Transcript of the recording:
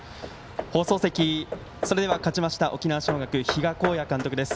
放送席、勝ちました沖縄尚学、比嘉公也監督です。